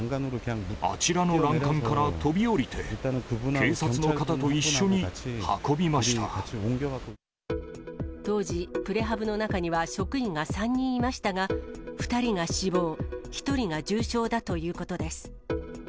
あちらの欄干から飛び降りて、当時、プレハブの中には職員が３人いましたが、２人が死亡、１人が重傷だということです。